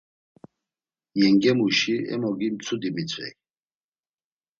Yengemuşi emogi mtsudi mitzvey.